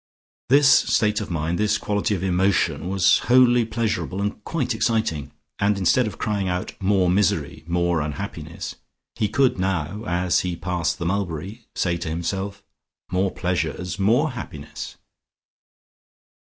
This state of mind, this quality of emotion was wholly pleasurable and quite exciting, and instead of crying out "More misery! more unhappiness!" he could now, as he passed the mulberry, say to himself "More pleasures! more happiness!"